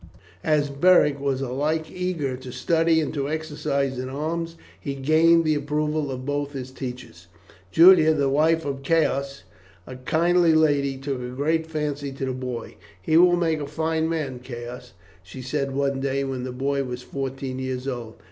As Beric was alike eager to study and to exercise in arms, he gained the approval of both his teachers. Julia, the wife of Caius, a kindly lady, took a great fancy to the boy. "He will make a fine man, Caius," she said one day when the boy was fourteen years old.